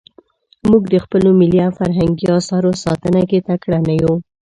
موږ د خپلو ملي او فرهنګي اثارو ساتنه کې تکړه نه یو.